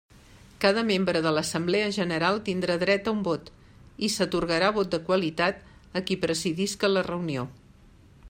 Cada membre de l'assemblea general tindrà dret a un vot, i s'atorgarà vot de qualitat a qui presidisca la reunió.